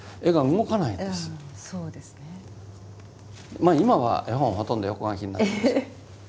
まあ今は絵本ほとんど横書きになってます。